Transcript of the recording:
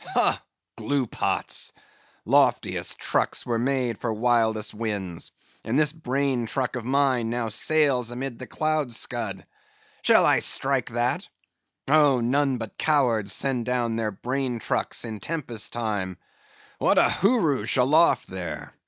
Ho, gluepots! Loftiest trucks were made for wildest winds, and this brain truck of mine now sails amid the cloud scud. Shall I strike that? Oh, none but cowards send down their brain trucks in tempest time. What a hooroosh aloft there!